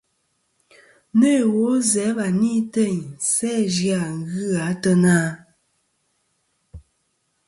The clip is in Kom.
Nô iwo zɨ̀ a va ni teyn sæ zɨ-a ghɨ gha ateyna ?